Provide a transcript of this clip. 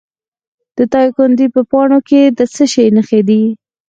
د دایکنډي په پاتو کې د څه شي نښې دي؟